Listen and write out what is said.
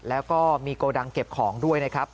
แล้วก็มีโกดังเก็บของด้วยนะครับ